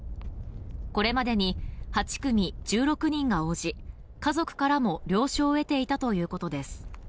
これまでに８組１６人が応じ家族からも了承を得ていたということです。